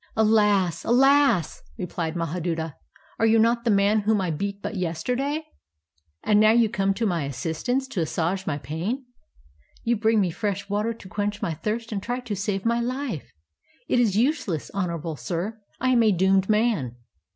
"Alas ! alas I " replied IMahaduta, " are you not the man whom I beat but yesterday? And now you come to my assistance, to assuage my pain! You bring me fresh water to quench my thirst, and try to save my Hfe! It is useless, honorable sir, I am a doomed man.